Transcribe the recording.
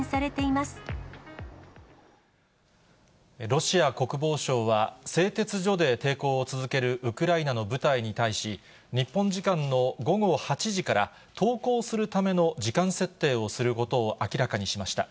ロシア国防省は、製鉄所で抵抗を続けるウクライナの部隊に対し、日本時間の午後８時から、投降するための時間設定をすることを明らかにしました。